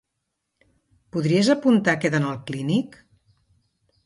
Podries apuntar que he d'anar al clínic?